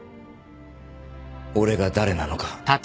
俺が誰なのか。